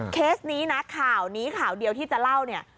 เคสนี้นะข่าวนี้ข่าวเดียวที่จะเล่าเนี่ย